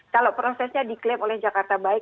kalau prosesnya diklaim oleh jakarta baik